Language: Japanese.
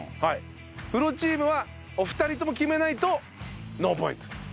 プロチームはお二人とも決めないとノーポイント。